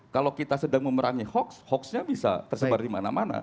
kalau kita sedang memerangi hoax hoaxnya bisa tersebar di mana mana